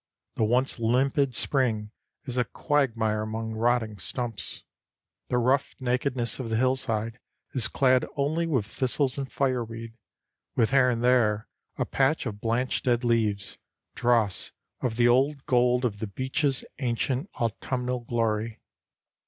The once limpid spring is a quagmire among rotting stumps. The rough nakedness of the hillside is clad only with thistles and fireweed, with here and there a patch of blanched dead leaves, dross of the old gold of the beech's ancient autumnal glory.